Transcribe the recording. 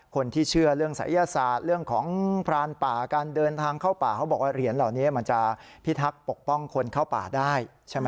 คนที่เชื่อเรื่องศัยศาสตร์เรื่องของพรานป่าการเดินทางเข้าป่าเขาบอกว่าเหรียญเหล่านี้มันจะพิทักษ์ปกป้องคนเข้าป่าได้ใช่ไหม